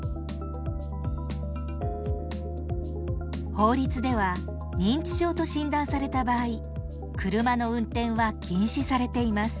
法律では認知症と診断された場合車の運転は禁止されています。